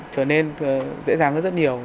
trở nên dễ dàng hơn rất nhiều